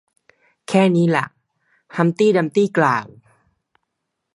แค่นี้ล่ะ ฮัมพ์ตี้ดัมพ์ตี้กล่าว